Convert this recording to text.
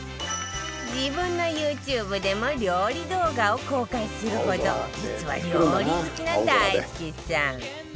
自分の ＹｏｕＴｕｂｅ でも料理動画を公開するほど実は料理好きな大輔さん